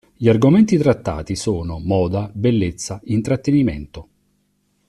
Gli argomenti trattati sono: moda, bellezza, intrattenimento.